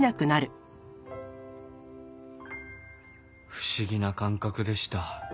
不思議な感覚でした。